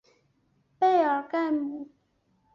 贝尔盖姆。